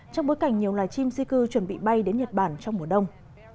trong bối cảnh nhiều loài chim di cư chuẩn bị bay đến nhật bản trong mùa đông